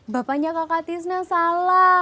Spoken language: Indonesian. bapaknya kakak tisna salah